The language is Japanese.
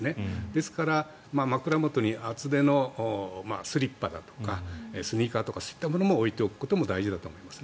ですから枕元に厚手のスリッパだとかスニーカーとかそういったものを置いておくことも大事だと思います。